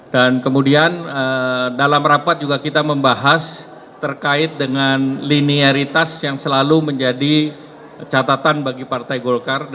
dan kemudian dalam rapat juga kita membahas terkait dengan linearitas yang selalu menjadi catatan bagi partai golkar